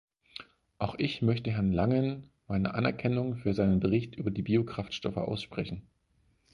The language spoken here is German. Auch ich möchte Herrn Langen meine Anerkennung für seinen Bericht über Biokraftstoffe aussprechen.